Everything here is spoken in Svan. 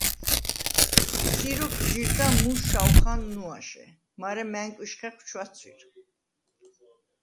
“სი როქუ̂ ჯირდა მუ შაუ̂ხან ნუაშე, მარე მა̈ნკუ̂იშ ხეხუ̂ ჩუ̂აცუ̂ირ.